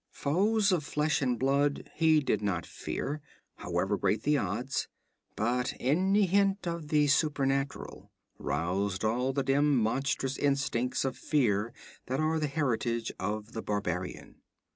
Foes of flesh and blood he did not fear, however great the odds, but any hint of the supernatural roused all the dim monstrous instincts of fear that are the heritage of the barbarian.